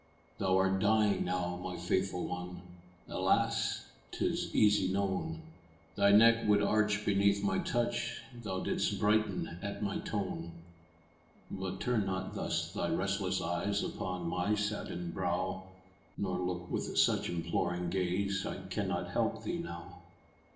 Thou'rt dying now, my faithful one, Alas! 'tis easy known Thy neck would arch beneath my touch, Thou'dst brighten at my tone; But turn not thus thy restless eyes Upon my saddened brow, Nor look with such imploring gaze I cannot help thee now.